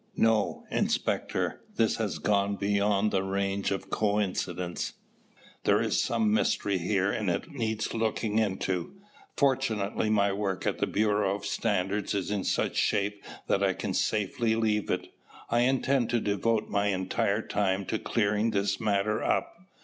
No, Inspector, this has gone beyond the range of coincidence. There is some mystery here and it needs looking into. Fortunately, my work at the Bureau of Standards is in such shape that I can safely leave it. I intend to devote my entire time to clearing this matter up.